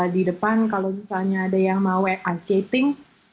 di depan kalau misalnya ada yang mau unskating